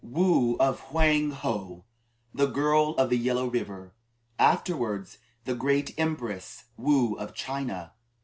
WOO OF HWANG HO.: THE GIRL OF THE YELLOW RIVER. (Afterwards the Great Empress Woo of China.)